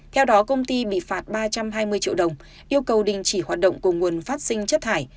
theo đó công ty bị phạt ba trăm hai mươi triệu đồng yêu cầu đình chỉ hoạt động của nguồn phát sinh chất thải